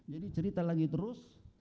jadi cerita lagi terus